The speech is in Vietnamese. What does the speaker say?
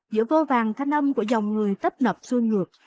giữa vô vàng tháng năm của dòng người tấp nập xuân ngược